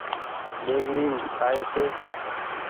ۮيگڙيم ڪآئي ڇي